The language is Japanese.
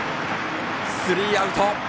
スリーアウト。